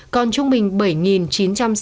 còn trung bình bảy chín trăm linh